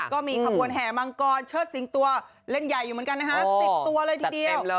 ก็มีขบวนแห่มังกรเชิดสิงตัวเล่นใหญ่อยู่เหมือนกันนะฮะ๑๐ตัวเลยทีเดียว